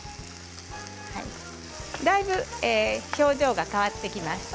だいぶ表情が変わってきました。